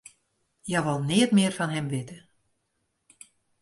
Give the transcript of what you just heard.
Hja wol neat mear fan him witte.